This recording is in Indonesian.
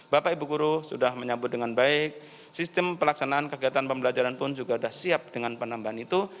bapak ibu guru sudah menyambut dengan baik sistem pelaksanaan kegiatan pembelajaran pun juga sudah siap dengan penambahan itu